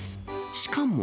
しかも。